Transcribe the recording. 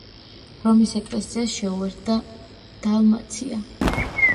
რომის ეკლესიას შეუერთა დალმაცია.